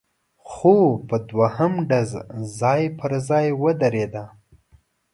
خو په دوهم ډز ځای پر ځای ودرېده،